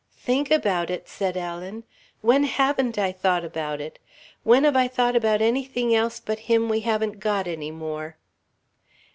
"Think about it!" said Ellen. "When haven't I thought about it? When have I thought about anything else but him we haven't got any more?"